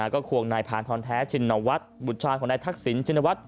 ก็ควงนายพานทรแท้ชินวัฒน์บุตรชายของนายทักษิณชินวัฒน